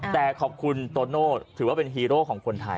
แต่ขอบคุณโตโน่ถือว่าเป็นฮีโร่ของคนไทย